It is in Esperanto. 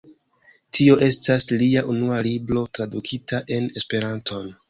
Tio estas lia unua libro tradukita en Esperanton.